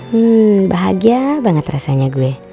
hmm bahagia banget rasanya gue